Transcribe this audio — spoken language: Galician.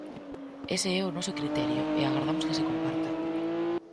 Ese é o noso criterio, e agardamos que se comparta.